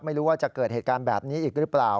ไม่รู้ว่าจะเกิดเหตุการณ์แบบนี้อีกหรือเปล่า